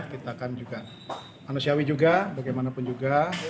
kita kan juga manusiawi juga bagaimanapun juga